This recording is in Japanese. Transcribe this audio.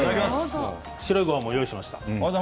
白いごはんも用意しました。